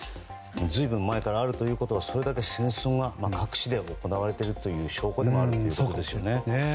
随分前からあるということはそれだけ戦争が各地で行われているという証拠でもありますよね。